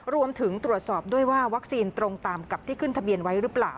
รวมถึงตรวจสอบด้วยว่าวัคซีนตรงตามกับที่ขึ้นทะเบียนไว้หรือเปล่า